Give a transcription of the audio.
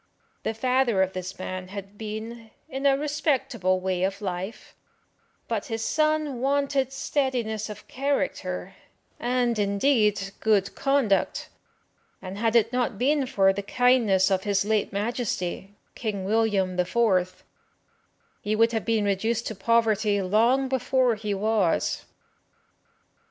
The father of this man had been in a respectable way of life, but his son wanted steadiness of character, and, indeed, good conduct, and had it not been for the kindness of his late Majesty, King William the Fourth, he would have been reduced to poverty long before he was.